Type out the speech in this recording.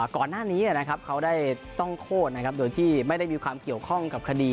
ก่อนหน้านี้เขาได้ต้องโทษโดยที่ไม่ได้มีความเกี่ยวข้องกับคดี